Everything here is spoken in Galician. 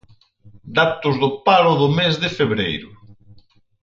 Datos do paro do mes de febreiro.